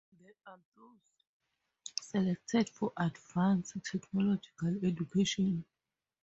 They are thus selected for advanced theological education.